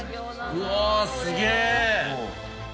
うわすげぇ！